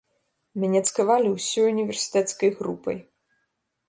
Мяне цкавалі ўсёй універсітэцкай групай.